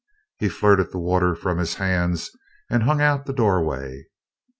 He flirted the water from his hands and hung out of the doorway.